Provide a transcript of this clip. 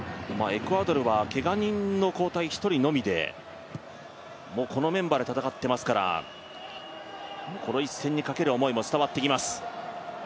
エクアドルの交代はけが人の交代１人のみでこのメンバーで戦ってますから、この一戦にかける思いも伝わってきます。